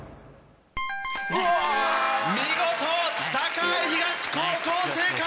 見事栄東高校正解！